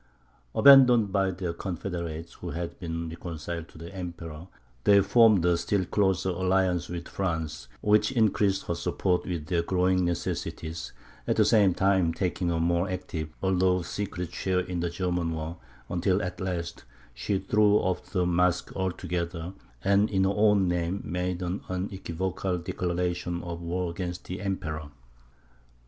Abandoned by their confederates, who had been reconciled to the Emperor, they formed a still closer alliance with France, which increased her support with their growing necessities, at the same time taking a more active, although secret share in the German war, until at last, she threw off the mask altogether, and in her own name made an unequivocal declaration of war against the Emperor.